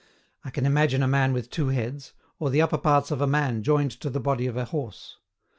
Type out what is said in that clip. I can imagine a man with two heads, or the upper parts of a man joined to the body of a horse.